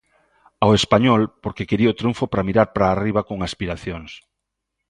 Ao Español porque quería o triunfo pra mirar pra arriba con aspiracións.